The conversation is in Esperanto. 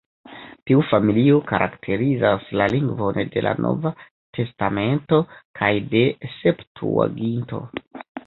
Tiu familio karakterizas la lingvon de la Nova Testamento kaj de Septuaginto.